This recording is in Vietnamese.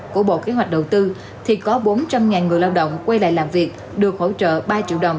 của bộ kế hoạch đầu tư thì có bốn trăm linh người lao động quay lại làm việc được hỗ trợ ba triệu đồng